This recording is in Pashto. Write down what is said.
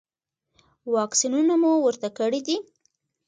واکسینونه مو ورته کړي دي؟